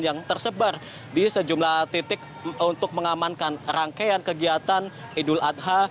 yang tersebar di sejumlah titik untuk mengamankan rangkaian kegiatan idul adha